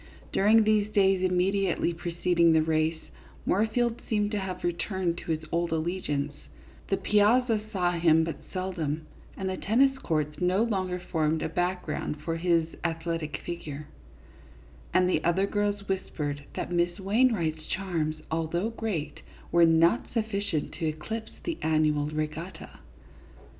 During these days immediately pre ceding the race, Moorfield seemed to have returned to his old allegiance ; the piazza saw him but sel dom, and the tennis courts no longer formed a background for his athletic figure, and the other girls whispered that Miss Wainwright's charms, although great, were not sufficient to eclipse the annual regatta.